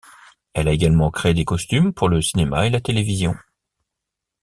Elle a également créé des costumes pour le cinéma et la télévision.